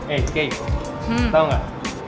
eh kay tau gak